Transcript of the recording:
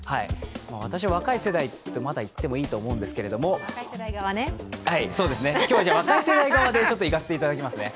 私、若い世代と言ってもいいと思うんですけど今日、若い世代側で行かせてもらいますね。